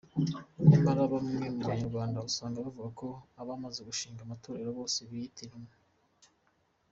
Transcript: Nyamara bamwe mu Banyarwanda, usanga bavuga ko abamaze gushinga amatorero bose biyita intumwa.